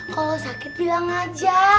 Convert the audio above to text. kalau sakit bilang aja